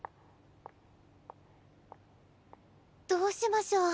どうしましょう。